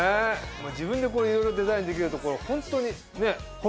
自分でいろいろデザインできるってこれホントに。